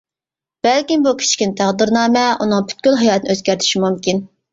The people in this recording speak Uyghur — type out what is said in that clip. بەلكىم بۇ كىچىككىنە تەقدىرنامە ئۇنىڭ پۈتكۈل ھاياتىنى ئۆزگەرتىشى مۇمكىن.